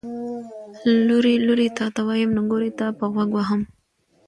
ـ لورې لورې تاته ويم، نګورې تاپه غوږ وهم.